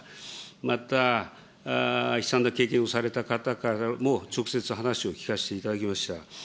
また悲惨な経験をされた方からも直接話を聞かせていただきました。